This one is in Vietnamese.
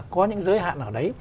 có những giới hạn ở đấy